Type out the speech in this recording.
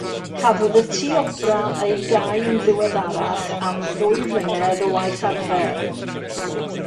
Cafodd y Tŷ Opera ei gau'n ddiweddarach am ddwy flynedd o waith adfer.